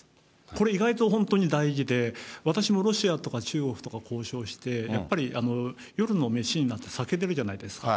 これ意外と本当に大事で、私もロシアとか中国とかと交渉して、やっぱり夜の飯になって酒出るじゃないですか。